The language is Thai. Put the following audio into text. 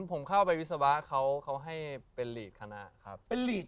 ผมเข้าไปวิศวะเขาให้เป็นหลีดคณะครับ